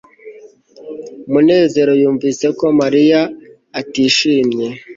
munezero yumvise ko mariya atishimye